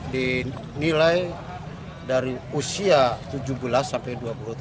dinilai dari usia tujuh belas sampai dua puluh tahun